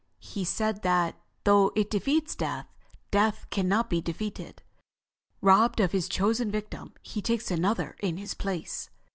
He said that, though it defeats death, Death can not be defeated. Robbed of his chosen victim, he takes another in his place.